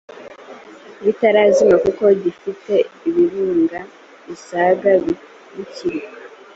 bitarazima kuko gifite ibirunga bisaga bikiruka